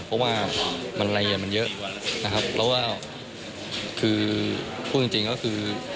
เพราะว่ามันรายละเอียดมันเยอะนะครับแล้วว่าคือพูดจริงก็คือ